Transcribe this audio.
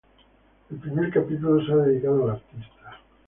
El primer capítulo se ha dedicado al artista.